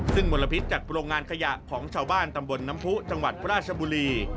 ซึ่งมลพิษจากโรงงานขยะของชาวบ้านตำบลน้ำผู้จังหวัดราชบุรี